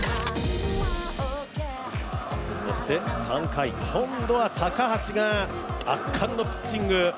そして３回、今度は高橋が圧巻のピッチング。